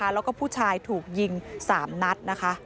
แล้วก็ผู้ชายถูกยิง๓นัท